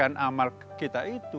harusnya kita membuatnya lebih baik